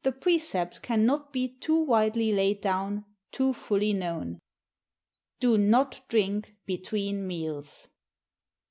The precept cannot be too widely laid down, too fully known: _Do not drink between Meals!